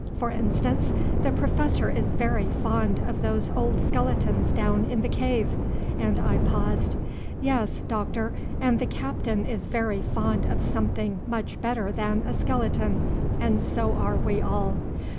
For instance, the Professor is very fond of those old skeletons down in the cave," and I paused. "Yes, Doctor, and the Captain is very fond of something much better than a skeleton, and so are we all.